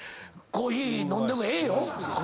コーヒー飲んでもええよ。